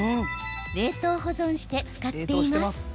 冷凍保存して使っています。